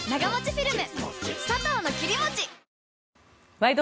「ワイド！